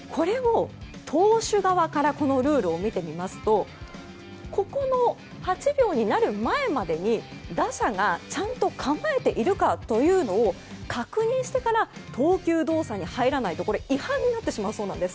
投手側からこのルールを見てみますと８秒になる前までに打者がちゃんと構えているのかを確認してから投球動作に入らないと違反になってしまうそうなんです